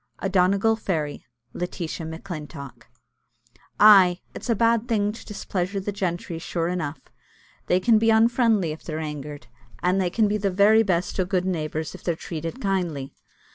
A DONEGAL FAIRY. LETITIA MACLINTOCK. Ay, it's a bad thing to displeasure the gentry, sure enough they can be unfriendly if they're angered, an' they can be the very best o' gude neighbours if they're treated kindly.